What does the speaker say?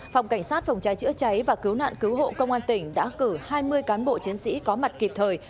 phòng cảnh sát phòng cháy chữa cháy và cứu nạn cứu hộ công an tỉnh đã cử hai mươi cán bộ chiến sĩ có mặt kịp thời